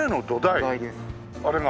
あれが？